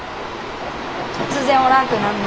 突然おらんくなるの。